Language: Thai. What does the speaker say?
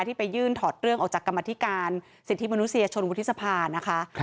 ที่ไปยื่นถอดเรื่องออกจากกรรมธิการสิทธิมนุษยชนวุฒิสภานะคะ